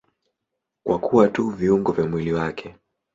Kwa kuwa tu viungo vya mwili wake.